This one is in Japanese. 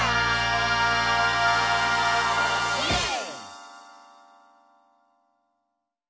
イエーイ！